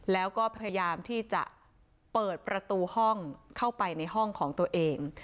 แล้วก็พยายามที่จะเปิดประตูห้องเข้าไปในห้องของตัวเอง